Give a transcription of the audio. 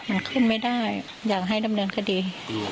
มันขึ้นไม่ได้อยากให้ดำเนินคดี